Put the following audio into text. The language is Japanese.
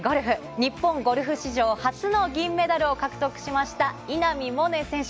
日本ゴルフ史上初の銀メダルを獲得しました稲見萌寧選手。